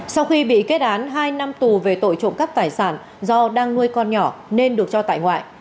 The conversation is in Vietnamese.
sau khi bị kết án hai năm tù về tội trộm cắp tài sản do đang nuôi con nhỏ nên được cho tại ngoại